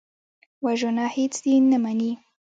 وژنه هېڅ دین نه مني